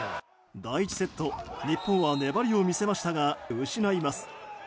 第１セット日本は粘りを見せましたが失います。